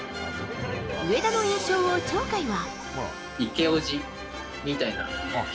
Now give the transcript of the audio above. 上田の印象を鳥海は。